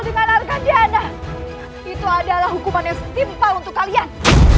dengan arganjana itu adalah hukuman yang setimpa untuk kalian